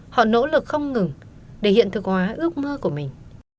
họ nỗ lực không ngừng để hiện thực hóa ước mơ của mình